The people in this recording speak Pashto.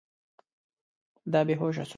دا بې هوشه سو.